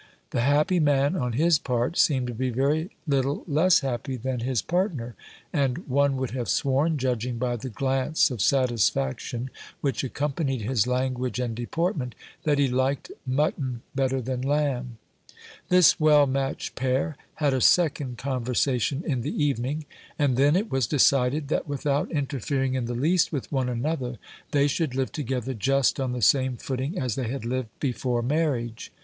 The happy man, on his part, seemed to be very little less happy than his partner ; and one would have sworn, judging by the glance of satisfac tion which accompanied his language and deportment, that he liked mutton bet ter than lamb. This well matched pair had a second conversation in the evening ; and then it was decided that without interfering in the least with one another, they should live together just on the same footing as they had lived before mar riage.